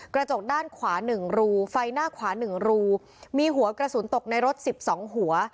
กระจกด้านขวา๑รูไฟหน้าขวา๑รูมีหัวกระสุนตกในรถสิบสองหัว